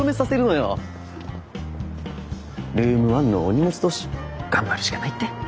ルーム１のお荷物同士頑張るしかないって。